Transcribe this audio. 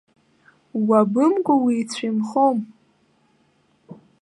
Уабымкәа, уицәынхом.